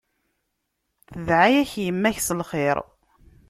Tedɛa-yak yemma-k s lxir.